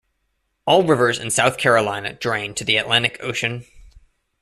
All rivers in South Carolina drain to the Atlantic Ocean.